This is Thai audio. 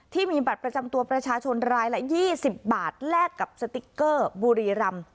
ที่มีบัตรประจำตัวประชาชนรายละ๒๐บาทแลกกับสติ๊กเกอร์บุรีรำ